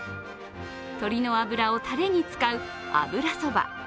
鶏の油をたれに使う油そば。